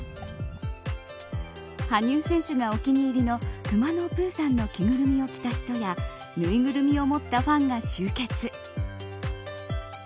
羽生選手がお気に入りのくまのプーさんの着ぐるみを着た人やぬいぐるみを持ったファンが集結。